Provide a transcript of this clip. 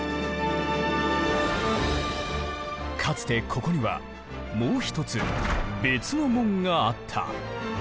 かつてここにはもう１つ別の門があった。